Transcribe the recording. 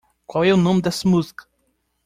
Qual é o nome dessa música?